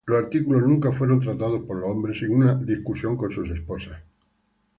Los artículos nunca fueron tratados por los hombres sin una discusión con sus esposas.